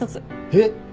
えっ！